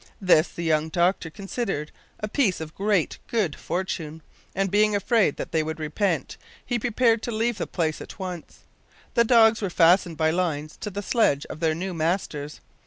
This the young doctor considered a piece of great good fortune, and being afraid that they would repent, he prepared to leave the place at once. The dogs were fastened by lines to the sledge of their new masters.